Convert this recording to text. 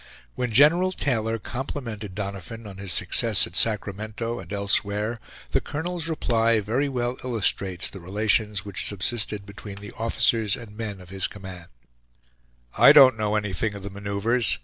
When General Taylor complimented Doniphan on his success at Sacramento and elsewhere, the colonel's reply very well illustrates the relations which subsisted between the officers and men of his command: "I don't know anything of the maneuvers.